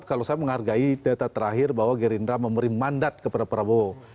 kalau saya menghargai data terakhir bahwa gerindra memberi mandat kepada prabowo